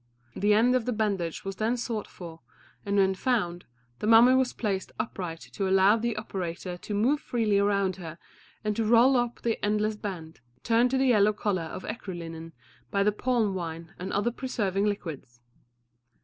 The end of the bandage was then sought for, and when found, the mummy was placed upright to allow the operator to move freely around her and to roll up the endless band, turned to the yellow colour of écru linen by the palm wine and other preserving liquids.